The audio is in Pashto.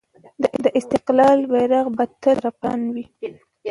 د استقلال بیرغ به تل رپاند وي.